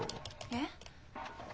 えっ？